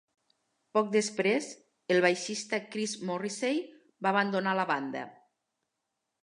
Poc després, el baixista Chris Morrisey va abandonar la banda.